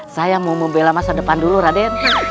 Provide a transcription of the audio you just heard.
saya mau membela masa depan dulu raden